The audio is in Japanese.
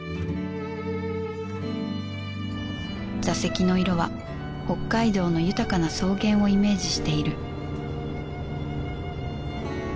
座席の色は北海道の豊かな草原をイメージしている